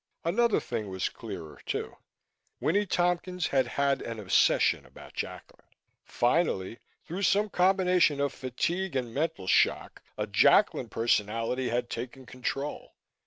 Another thing was clearer, too. Winnie Tompkins had had an obsession about Jacklin. Finally, through some combination of fatigue and mental shock, a Jacklin personality had taken control.